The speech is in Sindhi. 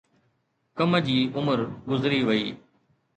ڪم جي عمر گذري وئي